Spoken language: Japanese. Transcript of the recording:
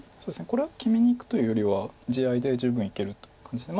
これは決めにいくというよりは地合いで十分いけるという感じで。